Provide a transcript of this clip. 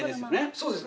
そうです。